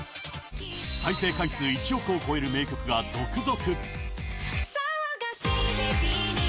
再生回数１億を超える名曲が続々。